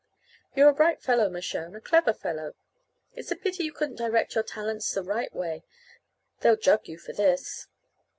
"You're a bright fellow, Mershone, a clever fellow. It's a pity you couldn't direct your talents the right way. They'll jug you for this."